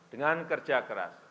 dengan kerja keras